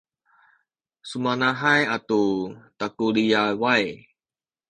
sumanahay atu takuliyaway